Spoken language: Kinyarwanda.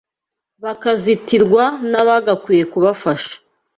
bakazitirwa n’abagakwiye kubafasha